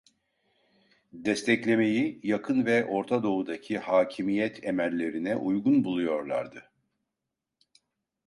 Desteklemeyi, Yakın ve Orta Doğudaki hakimiyet emellerine uygun buluyorlardı.